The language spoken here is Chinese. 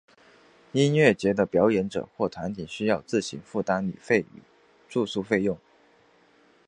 音乐节的表演者或团体需要自行负担旅费与住宿费用。